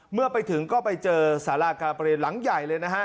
เมื่อไปถึงก็ไปเจอสารากาประเด็นหลังใหญ่เลยนะฮะ